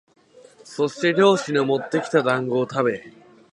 そして猟師のもってきた団子をたべ、